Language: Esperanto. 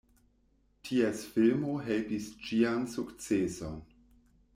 Ties filmo helpis ĝian sukceson.